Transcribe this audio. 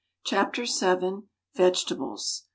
CHAPTER VII. VEGETABLES.